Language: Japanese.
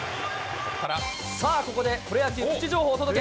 さあ、ここでプロ野球プチ情報をお届け。